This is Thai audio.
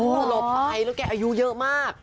แล้วก็หลบไปแล้วแกอายุเยอะมาก